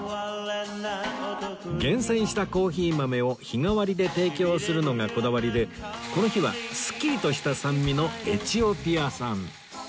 厳選したコーヒー豆を日替わりで提供するのがこだわりでこの日はすっきりとした酸味のエチオピア産